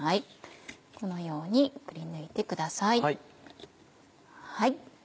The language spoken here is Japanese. このようにくりぬいてください。